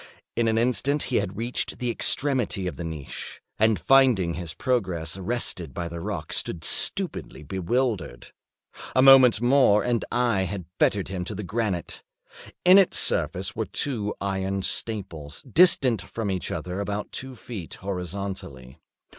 In an instant he had reached the extremity of the niche, and finding his progress arrested by the rock, stood stupidly bewildered. A moment more and I had fettered him to the granite. In its surface were two iron staples, distant from each other about two feet, horizontally.